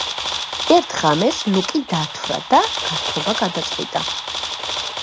ერთ ღამეს ლუკი დათვრა და გართობა გადაწყვიტა.